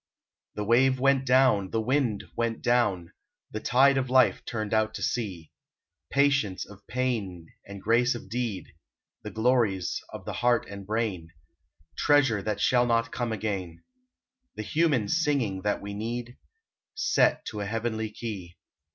The wave went down, the wind went down, The tide of life turned out to sea; Patience of pain and grace of deed, The glories of the heart and brain, Treasure that shall not come again; The human singing that we need, Set to a heavenly key.